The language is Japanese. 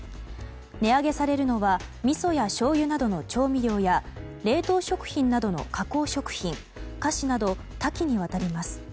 値上げされるのはみそやしょうゆなどの調味料や冷凍食品などの加工食品菓子など、多岐にわたります。